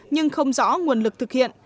nhưng không rõ nguồn lực thực hiện